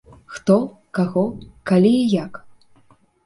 Хто, каго, калі і як?